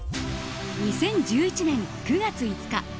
２０１１年９月５日。